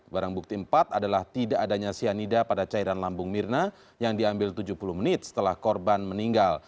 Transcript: barang bukti empat adalah tidak adanya cyanida pada cairan lambung mirna yang diambil tujuh puluh menit setelah korban meninggal